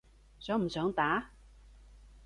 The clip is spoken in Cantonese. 想唔想打？